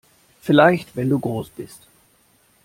Vielleicht wenn du groß bist!